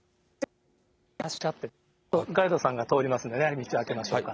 ガイドさんが通りますんでね、道を開けましょうか。